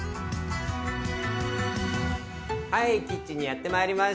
はいキッチンにやってまいりました。